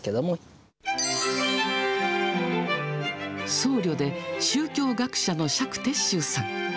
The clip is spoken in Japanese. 僧侶で宗教学者の釈徹宗さん。